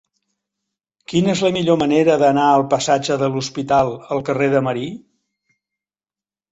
Quina és la millor manera d'anar del passatge de l'Hospital al carrer de Marí?